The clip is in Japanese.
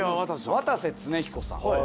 渡瀬恒彦さん。